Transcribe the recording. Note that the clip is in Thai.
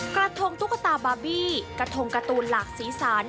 กระทงตุ๊กตาบาร์บี้กระทงการ์ตูนหลากสีสัน